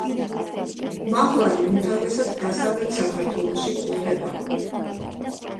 მაღლარი უმთავრესად დასავლეთ საქართველოში გვხვდება.